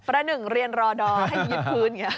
ประดาษหนึ่งเรียนรอดอให้วิดพื้น